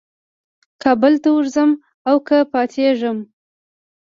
کابل ته ورځم او که پاتېږم.